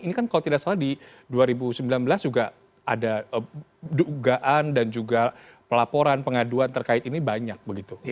ini kan kalau tidak salah di dua ribu sembilan belas juga ada dugaan dan juga pelaporan pengaduan terkait ini banyak begitu